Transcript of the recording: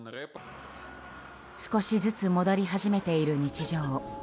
少しずつ戻り始めている日常。